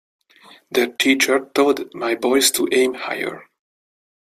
Their teacher told my boys to aim higher.